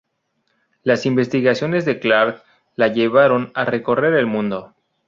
Las investigaciones de Clark la llevaron a recorrer el mundo.